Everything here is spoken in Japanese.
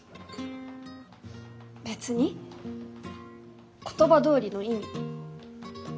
別に言葉どおりの意味。